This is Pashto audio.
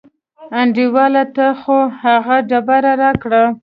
انډیواله ته خو هغه ډبره راکړه.